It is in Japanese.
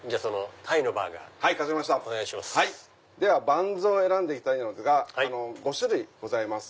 バンズを選んでいきたいのですが５種類ございます。